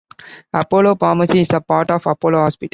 Apollo Pharmacy is a part of Apollo Hospitals.